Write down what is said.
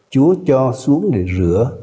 chúa cho xuống để rửa